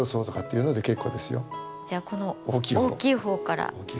じゃあこの大きいほうから。